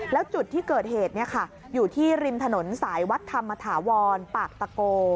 แล้วจุดที่เกิดเหตุอยู่ที่ริมถนนสายวัดธรรมถาวรปากตะโก